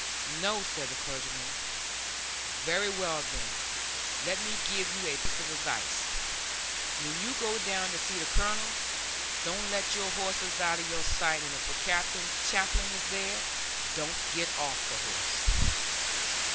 "No," said the clergyman. "Very well, then, let me give you a piece of advice. When you go down to see the Colonel, don't let your horse out of your sight; and if the chaplain is there, don't get off the horse!"